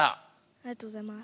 ありがとうございます。